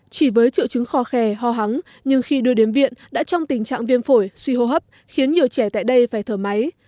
chỉ với triệu chứng kho khe ho hắn nhưng khi đưa đến viện đã trong tình trạng viêm phổi suy hô hấp khiến nhiều trẻ tại đây phải thở máy